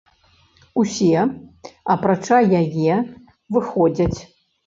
Усе, апрача яе, выходзяць.